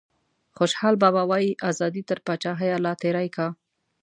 خوشحال بابا وايي ازادي تر پاچاهیه لا تیری کا.